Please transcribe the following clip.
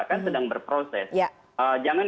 kan sedang berproses jangan